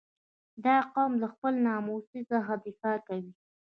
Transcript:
• دا قوم له خپل ناموس څخه دفاع کوي.